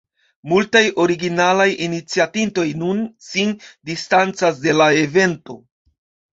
Multaj originalaj iniciatintoj nun sin distancas de la evento.